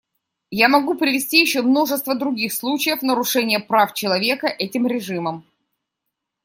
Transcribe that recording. Я могу привести еще множество других случаев нарушения прав человека этим режимом.